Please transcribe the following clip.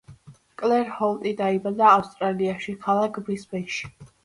კლერ ჰოლტი დაიბადა ავსტრალიაში, ქალაქ ბრისბენში.